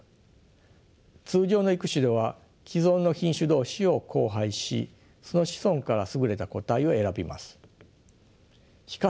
通常の育種では既存の品種同士を交配しその子孫から優れた個体を選びます。